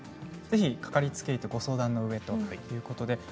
掛かりつけ医とご相談のうえということですね。